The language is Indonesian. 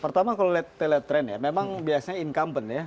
pertama kalau lihat trend ya memang biasanya incumbent ya